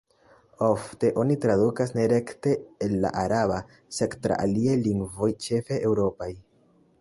Ofte oni tradukas ne rekte el la araba, sed tra aliaj lingvoj, ĉefe eŭropaj.